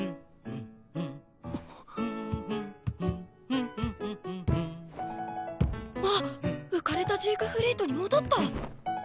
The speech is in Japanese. ふふふふふふあっ浮かれたジークフリートに戻った。